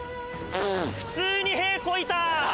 普通に屁こいた！